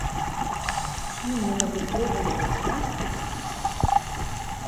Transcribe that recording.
Ці не навуковая фантастыка?